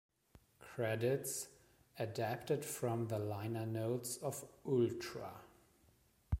Credits adapted from the liner notes of "Ultra".